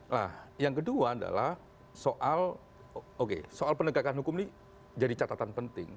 nah yang kedua adalah soal oke soal penegakan hukum ini jadi catatan penting